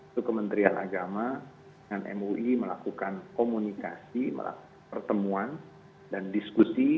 itu kementerian agama dengan mui melakukan komunikasi melakukan pertemuan dan diskusi